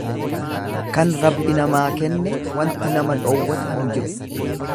Kan Rabbi namaa kenne wanti nama dhoowwatu hin jiru.